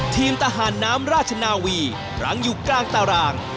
ทีมทหารน้ำราชนาวีรั้งอยู่กลางตาราง